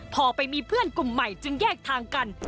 พอไปมีเพื่อนกลุ่มใหม่จึงแยกทางกัน